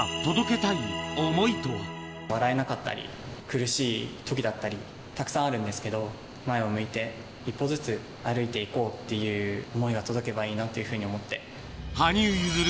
今、笑えなかったり、苦しいときだったり、たくさんあるんですけど、前を向いて、一歩ずつ歩いていこうっていう想いが届けばいいなっていうふうに羽生結弦